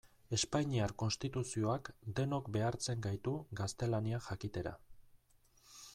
Espainiar Konstituzioak denok behartzen gaitu gaztelania jakitera.